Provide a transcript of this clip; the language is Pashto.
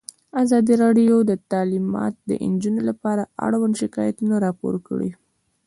ازادي راډیو د تعلیمات د نجونو لپاره اړوند شکایتونه راپور کړي.